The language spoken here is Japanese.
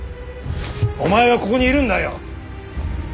お前はここにいるんだよ。